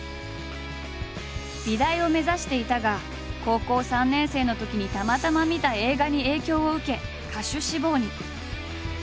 美大を目指していたが高校３年生のときにたまたま見た映画に影響を受け歌手志望に。